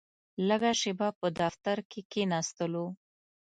لږه شېبه په دفتر کې کښېناستلو.